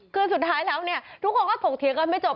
โดยสุดท้ายนะทุกคนก็ผกเถียงก่อไม่จบ